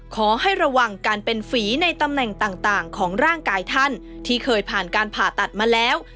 ขอให้ระวังการเป็นฝีในตำแหน่งต่างของร่างกายท่านที่เคยผ่านการผ่าตัดมาแล้ว